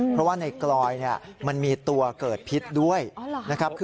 เพราะว่าในกลอยมันมีตัวเกิดพิษด้วยนะครับ